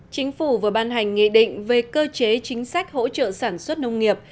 chính phủ vừa ban hành nghị định về cơ chế chính sách hỗ trợ sản xuất nông nghiệp